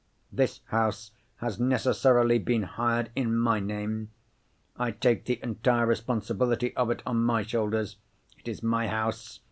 This house has necessarily been hired in my name. I take the entire responsibility of it on my shoulders. It is my house.